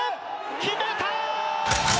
決めた！